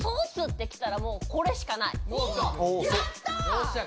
よっしゃ。